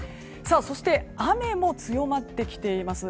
そして雨も強まってきています。